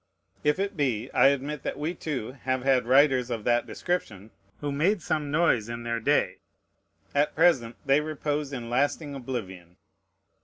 If it be, I admit that we, too, have had writers of that description, who made some noise in their day. At present they repose in lasting oblivion.